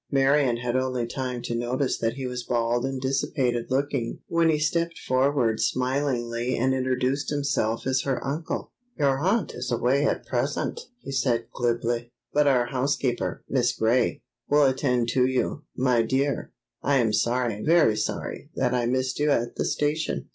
Marion had only time to notice that he was bald and dissipated looking when he stepped forward smilingly and introduced himself as her uncle. "Your aunt is away at present," he said glibly, "but our housekeeper, Miss Gray, will attend to you, my dear. I am sorry, very sorry, that I missed you at the station."